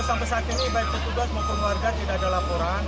sampai saat ini baik petugas maupun warga tidak ada laporan